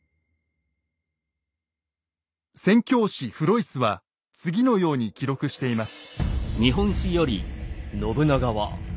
宣教師・フロイスは次のように記録しています。